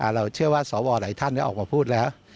เราเชื่อว่าสวหลายท่านออกมาพูดแล้ว